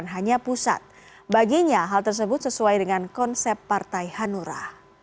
hanya pusat baginya hal tersebut sesuai dengan konsep partai hanura